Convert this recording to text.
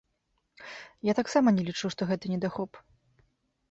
Я таксама не лічу, што гэта недахоп.